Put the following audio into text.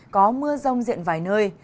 có mưa rông diện vài nơi